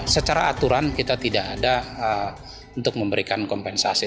secara aturan kita tidak ada untuk memberikan kompensasi